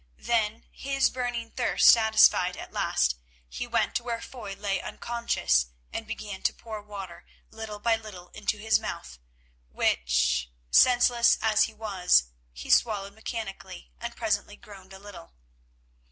Then, his burning thirst satisfied at last, he went to where Foy lay unconscious and began to pour water, little by little, into his mouth, which, senseless as he was, he swallowed mechanically and presently groaned a little.